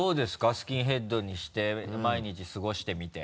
スキンヘッドにして毎日過ごしてみて。